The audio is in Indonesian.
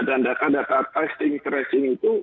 dan data data testing tracing itu